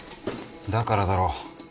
だからだろ。